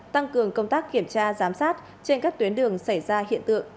tăng cường công tác kiểm tra giám sát trên các tuyến đường xảy ra hiện tượng